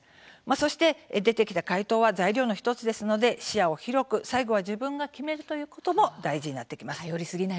そして出てきた回答は材料の１つですので視野を広く、最後は自分が決めることが大事です。